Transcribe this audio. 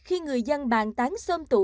khi người dân bàn tán xôm tụ